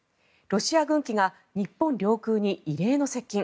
ロシア軍機が日本領空に異例の接近。